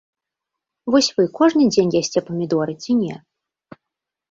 Вось вы кожны дзень ясце памідоры ці не?